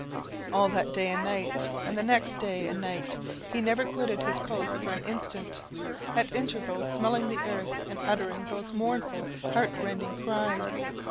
All that day and night, and the next day and night, he never quitted his post for an instant, at intervals smelling the earth, and uttering those mournful, heart rending cries.